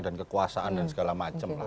dan kekuasaan dan segala macem lah